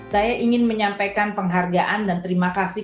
saya ingin menyampaikan penghargaan dan terima kasih